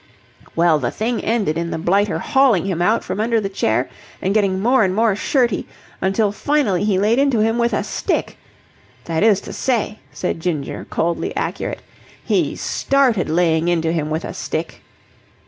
"Well, the thing ended in the blighter hauling him out from under the chair and getting more and more shirty, until finally he laid into him with a stick. That is to say," said Ginger, coldly accurate, "he started laying into him with a stick."